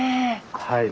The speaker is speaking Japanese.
はい。